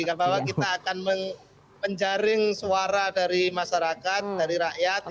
bahwa kita akan menjaring suara dari masyarakat dari rakyat